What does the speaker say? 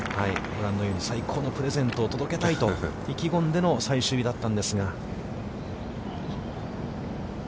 ご覧のように最高のプレゼントを届けたいと意気込んでの最終日だったんですが。